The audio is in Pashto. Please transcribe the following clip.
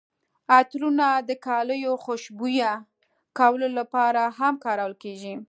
عطرونه د کالیو خوشبویه کولو لپاره هم کارول کیږي.